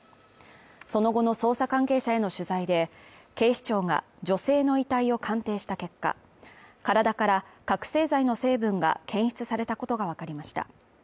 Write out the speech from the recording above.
その後の捜査関係者への取材で、警視庁が女性の遺体を鑑定した結果、体から覚醒剤の成分が検出されたことがわかりました。